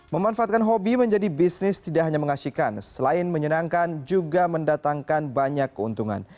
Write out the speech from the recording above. memanfaatkan hobi menjadi bisnis tidak hanya mengasihkan selain menyenangkan juga mendatangkan banyak keuntungan